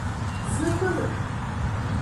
Zırvalık.